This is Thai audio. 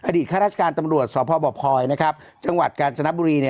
อดิษฐ์ข้าราชการตำรวจสบไพรจังหวัดกาลศนับบุรี